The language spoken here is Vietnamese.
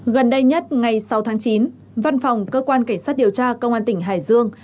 gần đây nhất ngày sáu tháng chín văn phòng cơ quan cảnh sát điều tra công an tỉnh hải dương